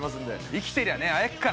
生きてりゃね会えっからまた。